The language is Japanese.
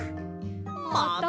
また！？